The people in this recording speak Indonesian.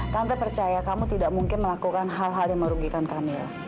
tanpa percaya kamu tidak mungkin melakukan hal hal yang merugikan kami